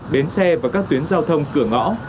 đến xe và các tuyến giao thông cửa ngõ